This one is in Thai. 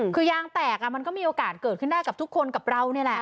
คือยางแตกมันก็มีโอกาสเกิดขึ้นได้กับทุกคนกับเรานี่แหละ